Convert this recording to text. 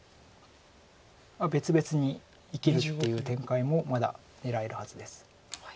別々に生きるっていう展開もまだ狙えるはずです。